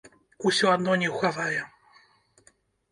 Усё адно не ўхавае.